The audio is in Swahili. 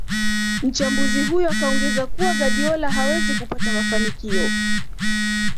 Mchambuzi huyo akaongeza kuwa Guardiola hawezi kupata mafanikio